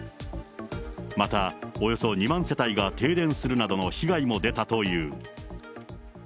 また、およそ２万世帯が停電するなどの被害も出たという。